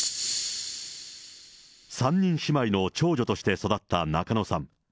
３人姉妹の長女として育った中野さん。